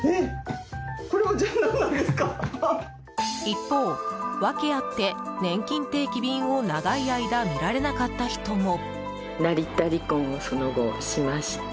一方、訳あってねんきん定期便を長い間見られなかった人も。